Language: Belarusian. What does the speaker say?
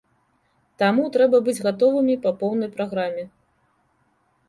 Таму трэба быць гатовымі па поўнай праграме.